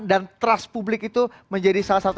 dan trust publik itu menjadi salah satu